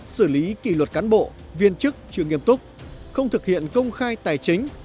xử lý kỷ luật cán bộ viên chức chưa nghiêm túc không thực hiện công khai tài chính